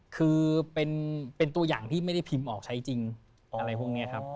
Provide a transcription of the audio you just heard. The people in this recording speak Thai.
คือเป็นตัวอย่างที่ไม่ได้พิมพ์ออกใช้จริงอะไรพวกนี้ครับ